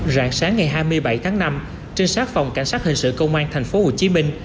rạng sáng ngày hai mươi bảy tháng năm trinh sát phòng cảnh sát hình sự công an thành phố hồ chí minh